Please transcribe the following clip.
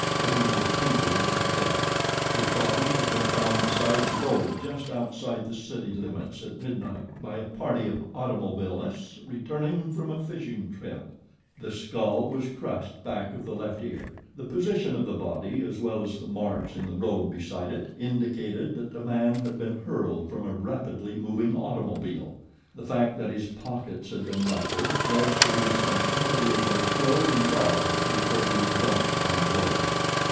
Reginald Paynter was dead. His body had been found beside the road just outside the city limits at mid night by a party of automobilists returning from a fishing trip. The skull was crushed back of the left ear. The position of the body as well as the marks in the road beside it indicated that the man had been hurled from a rapidly moving automobile. The fact that his pockets had been rifled led to the assumption that he had been killed and robbed before being dumped upon the road.